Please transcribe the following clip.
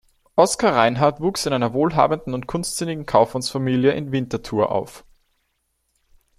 Oskar Reinhart wuchs in einer wohlhabenden und kunstsinnigen Kaufmannsfamilie in Winterthur auf.